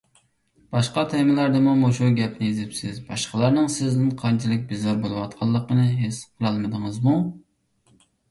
باشقا تېمىلاردىمۇ مۇشۇ گەپنى يېزىپسىز، باشقىلارنىڭ سىزدىن قانچىلىك بىزار بولۇۋاتقانلىقىنى ھېس قىلالمىدىڭىزمۇ؟